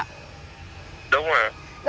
đúng rồi ạ